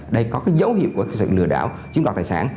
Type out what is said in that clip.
đây có cái dấu hiệu của sự lừa đảo chiếm đọc tài sản